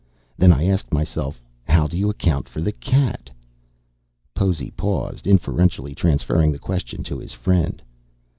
Then I asked myself, 'how do you account for the cat?'" Possy paused, inferentially transferring the question to his friend.